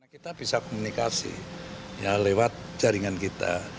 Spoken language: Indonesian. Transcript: kita bisa komunikasi lewat jaringan kita